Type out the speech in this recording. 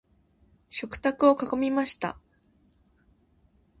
食卓を囲みました。